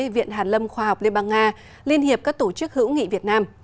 viện hàn lâm khoa học liên bang nga liên hiệp các tổ chức hữu nghị việt nam